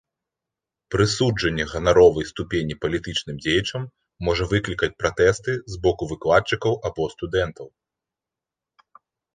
Прысуджэнне ганаровай ступені палітычным дзеячам можа выклікаць пратэсты з боку выкладчыкаў або студэнтаў.